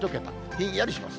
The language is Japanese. ひんやりします。